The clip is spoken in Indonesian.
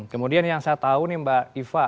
kemudian yang saya tahu nih mbak iva